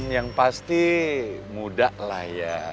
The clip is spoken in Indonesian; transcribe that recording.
yang pasti muda lah ya